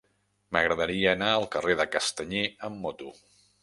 M'agradaria anar al carrer de Castanyer amb moto.